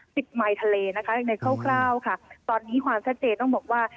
สิบไมค์ทะเลนะคะในเข้าค่ะตอนนี้ความแสดงต้องบอกว่า